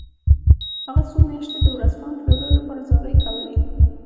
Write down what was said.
هغه څو میاشتې د ورځپاڼو پلورلو لپاره زارۍ کولې